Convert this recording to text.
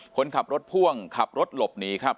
คนขับรถพ่วงขับรถหลบหนีครับ